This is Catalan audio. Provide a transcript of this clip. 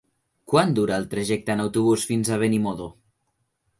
Quant dura el trajecte en autobús fins a Benimodo?